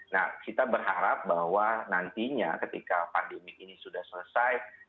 nah kita berharap bahwa nantinya ketika pandemi ini sudah selesai